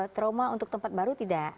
trauma untuk tempat baru tidak